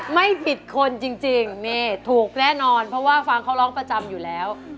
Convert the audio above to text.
ไม่ผิดคนจริงนี่ถูกแน่นอนเพราะว่าฟังเขาร้องประจำอยู่แล้ว